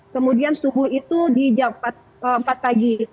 kemudian subuh itu di jam empat pagi